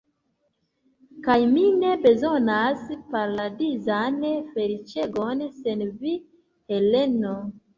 Kaj mi ne bezonas paradizan feliĉegon sen vi, Heleno.